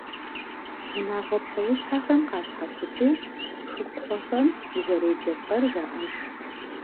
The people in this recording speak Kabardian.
Унагъуэ псэущхьэхэм къащхьэщыкӏыу, хыкхъуэхэм узэреджэ цӏэр жаӏэж.